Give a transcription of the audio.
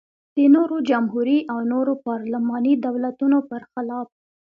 د نورو جمهوري او نورو پارلماني دولتونو پرخلاف.